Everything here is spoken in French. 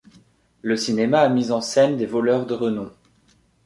Le cinéma a mis en scène des voleurs de renom.